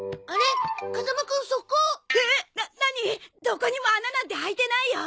どこにも穴なんて開いてないよ。